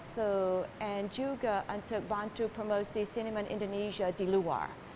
so and juga untuk bantu promosi seniman indonesia di luar